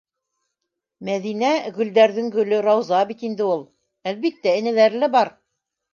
Мәҙинә - гөлдәрҙең гөлө рауза бит инде ул. Әлбиттә, энәләре лә бар.